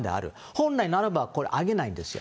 本来ならば、これ、あげないんですよ。